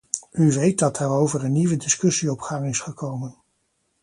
U weet dat daarover een nieuwe discussie op gang is gekomen.